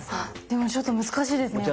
でもちょっと難しいですね。